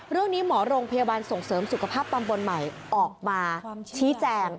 เรื่องนี้หมอโรงพยาบาลส่งเสริมสุขภาพตำบลใหม่ออกมาชี้แจง